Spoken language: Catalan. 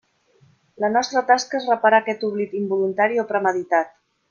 La nostra tasca és reparar aquest oblit involuntari o premeditat.